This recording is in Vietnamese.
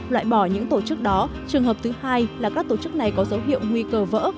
loại bỏ những tổ chức đó trường hợp thứ hai là các tổ chức này có dấu hiệu nguy cơ vỡ